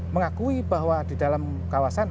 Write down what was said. mengakui bahwa di dalam kawasan